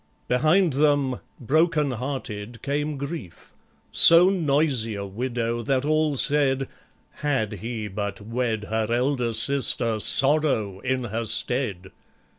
Behind them, broken hearted, Came GRIEF, so noisy a widow, that all said, "Had he but wed Her elder sister SORROW, in her stead!"